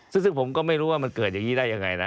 ซึ่งผมก็ไม่รู้ว่ามันเกิดอย่างนี้ได้ยังไงนะ